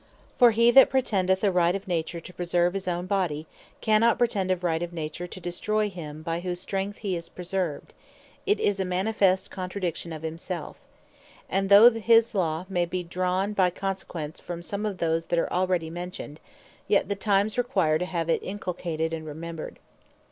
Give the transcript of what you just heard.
For he that pretendeth a Right of Nature to preserve his owne body, cannot pretend a Right of Nature to destroy him, by whose strength he is preserved: It is a manifest contradiction of himselfe. And though this Law may bee drawn by consequence, from some of those that are there already mentioned; yet the Times require to have it inculcated, and remembred.